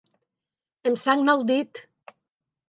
Em sagna el dit!